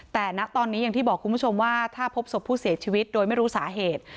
แต่ณตอนนี้อย่างที่บอกคุณผู้ชมว่าถ้าพบศพผู้เสียชีวิตโดยไม่รู้สาเหตุ